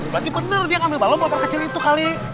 berarti bener dia ngambil balon sama anak kecil itu kali